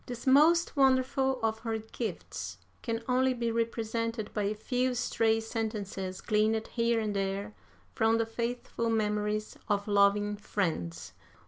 This most wonderful of her gifts can only be represented by a few stray sentences gleaned here and there from the faithful memories of loving friends....